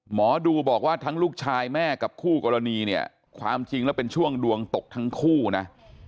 หมอดูบอกว่าทั้งลูกชายแม่กับคู่กรณีเนี่ยความจริงแล้วเป็นช่วงดวงตกทั้งคู่นะ